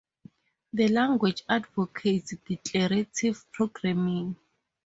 The language advocates declarative programming.